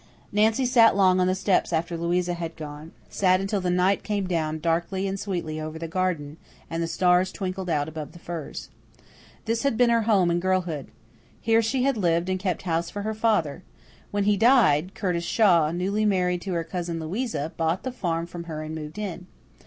Nancy sat long on the steps after Louisa had gone sat until the night came down, darkly and sweetly, over the garden, and the stars twinkled out above the firs. This had been her home in girlhood. Here she had lived and kept house for her father. When he died, Curtis Shaw, newly married to her cousin Louisa, bought the farm from her and moved in.